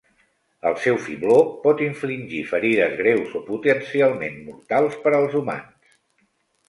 El seu fibló pot infligir ferides greus o potencialment mortals per als humans.